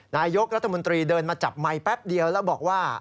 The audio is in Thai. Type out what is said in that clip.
นายกรัฐมนตรีเดินมาจับไมค์แป๊บเดียวแล้วบอกว่า